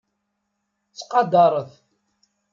Ttqadaṛet.